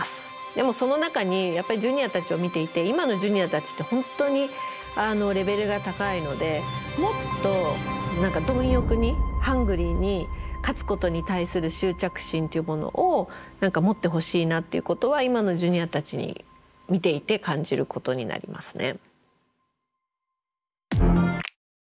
でもその中にやっぱりジュニアたちを見ていて今のジュニアたちって本当にレベルが高いのでもっと貪欲にハングリーに勝つことに対する執着心っていうものを持ってほしいなっていうことは今のジュニアたち見ていて感じることになりますね。